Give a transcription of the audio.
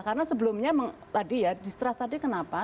karena sebelumnya tadi ya di stress tadi kenapa